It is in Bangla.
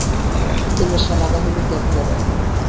তিনি সেনাবাহিনী ত্যাগ করেন।